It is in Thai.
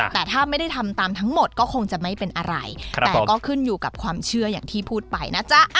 แต่ถ้าไม่ได้ทำตามทั้งหมดก็คงจะไม่เป็นอะไรแต่ก็ขึ้นอยู่กับความเชื่ออย่างที่พูดไปนะจ๊ะ